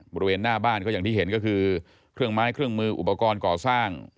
บริเวณหน้าบ้านก็อย่างที่เห็นก็คือเครื่องไม้เครื่องมืออุปกรณ์ก่อสร้าง